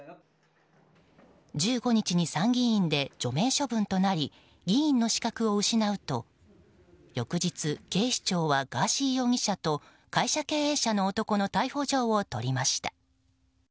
１５日に参議院で除名処分となり議員の資格を失うと翌日、警視庁はガーシー容疑者と会社経営者の男の逮捕状を取りました。